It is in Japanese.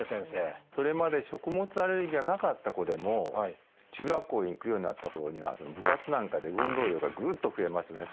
それまで食物アレルギーがなかった子でも中学校へ行くようになったころには部活なんかで運動量がぐっと増えますよね。